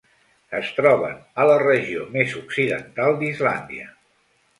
Es troben a la regió més occidental d'Islàndia.